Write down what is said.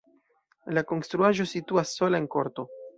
La konstruaĵo situas sola en korto.